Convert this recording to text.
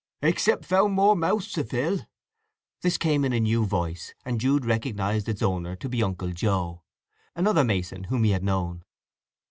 "Except found more mouths to fill!" This came in a new voice, and Jude recognized its owner to be Uncle Joe, another mason whom he had known.